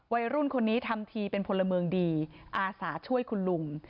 วัยรุ่นคนนี้ทำทีเป็นพลเมืองดีอาสาช่วยคุณลุง